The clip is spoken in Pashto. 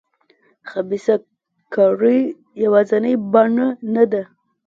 خبیثه کړۍ یوازینۍ بڼه نه ده.